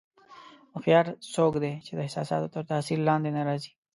هوښیار څوک دی چې د احساساتو تر تاثیر لاندې نه راځي.